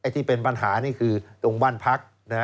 ที่เป็นปัญหานี่คือตรงบ้านพัก